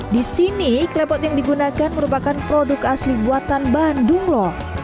di sini klepot yang digunakan merupakan produk asli buatan bandung loh